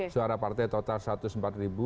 suara partai total rp satu ratus empat